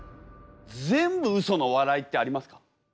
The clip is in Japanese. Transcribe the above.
全部ウソのお笑いってありますか？